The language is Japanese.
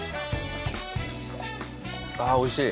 あおいしい。